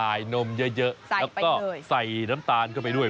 นมเยอะแล้วก็ใส่น้ำตาลเข้าไปด้วย